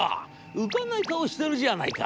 浮かない顔してるじゃないか。